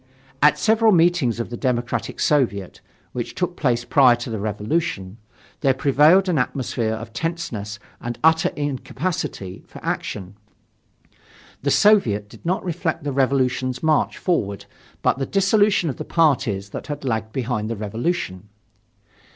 At several meetings of the Democratic Soviet which took place prior to the Revolution, there prevailed an atmosphere of tenseness and utter incapacity for action. The Soviet did not reflect the Revolution's march forward but the dissolution of the parties that had lagged behind the Revolution.